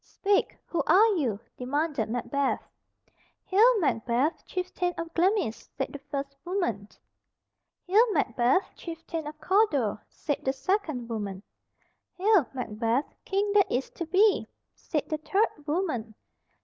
"Speak, who are you?" demanded Macbeth. "Hail, Macbeth, chieftain of Glamis," said the first woman. "Hail, Macbeth, chieftain of Cawdor," said the second woman. "Hail, Macbeth, King that is to be," said the third woman.